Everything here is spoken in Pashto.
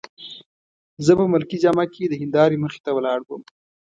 زه په ملکي جامه کي د هندارې مخې ته ولاړ وم.